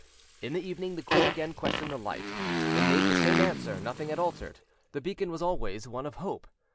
In the evening the queen again questioned the light: it made the same answer; nothing had altered; the beacon was always one of hope.